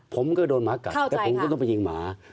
ผมก็โดนหมากับผมต้องไปยิงหมา